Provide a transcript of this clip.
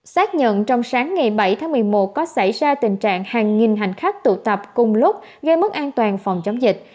xác nhận trong sáng ngày bảy tháng một mươi một có xảy ra tình trạng hàng nghìn hành khách tụ tập cùng lúc gây mất an toàn phòng chống dịch